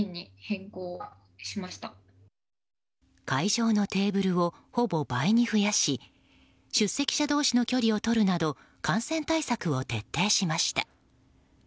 会場のテーブルをほぼ倍に増やし出席者同士の距離をとるなど感染対策を徹底しました。